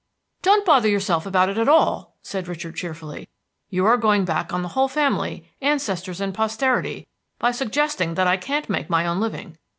"Don't bother yourself about it at all," said Richard, cheerfully. "You are going back on the whole family, ancestors and posterity, by suggesting that I can't make my own living.